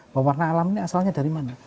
pewarna alam ini asalnya dari mana